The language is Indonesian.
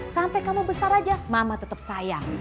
sampai kamu besar aja mama tetap sayang